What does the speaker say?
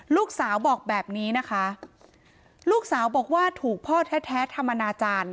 ลูกสาวบอกแบบนี้นะคะลูกสาวบอกว่าถูกพ่อแท้ทำอนาจารย์